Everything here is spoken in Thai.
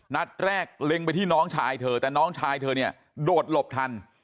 นัดแรกเล็งไปที่น้องชายเธอแต่น้องชายเธอเนี่ยโดดหลบทัน